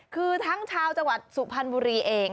คือทั้งชาวจังหวัดสุพรรณบุรีเอง